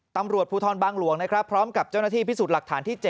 ตำรวจภูทรบางหลวงนะครับพร้อมกับเจ้าหน้าที่พิสูจน์หลักฐานที่๗